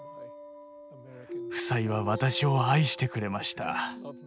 夫妻は私を愛してくれました。